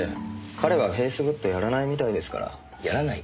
彼はフェイスグッドやらないみたいですから。やらない？